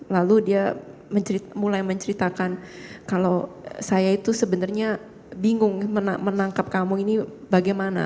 lalu dia mulai menceritakan kalau saya itu sebenarnya bingung menangkap kamu ini bagaimana